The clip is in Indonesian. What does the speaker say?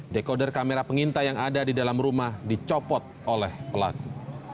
dekoder kamera pengintai yang ada di dalam rumah dicopot oleh pelaku